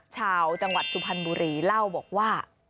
ชาวจังหวัดสุพรรณบุรีเล่าบอกว่า